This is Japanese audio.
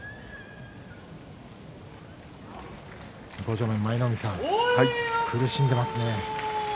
向正面、舞の海さん照強は苦しんでいますね。